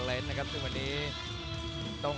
สวัสดีครับทุกคน